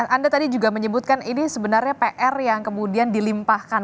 anda tadi juga menyebutkan ini sebenarnya pr yang kemudian dilimpahkan